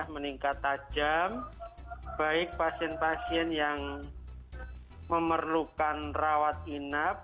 meningkat tajam baik pasien pasien yang memerlukan rawat inap